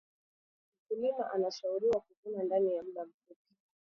mkulima anshauriwa kuvuna ndani ya mda mfupi